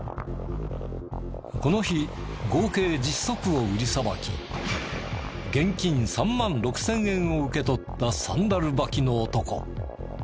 この日合計１０足を売りさばき現金３万６０００円を受け取ったサンダル履きの男。